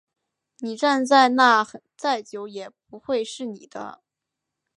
你站在那再久也不会是你的